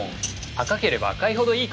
赤ければ赤いほどいいからね。